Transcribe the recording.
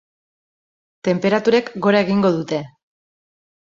Tenperaturek gora egingo dute.